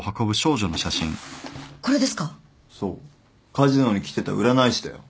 カジノに来てた占い師だよ。